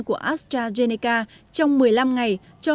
của astrazeneca cho những người ngoài sáu mươi năm tuổi